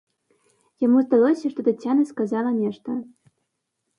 Яму здалося, што Тацяна сказала нешта.